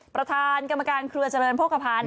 ประธานกรรมการเครือเจริญโภคภัณฑ์